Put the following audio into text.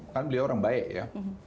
kan beliau orang baik ya